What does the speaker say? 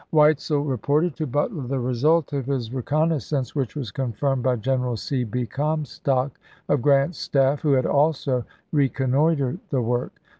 Weitzel reported to Butler the result of his recon naissance, which was confirmed by General C. B. Comstock of Grant's staff, who had also recon noitered the work.